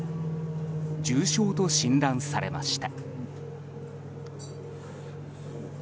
重症と診断されました。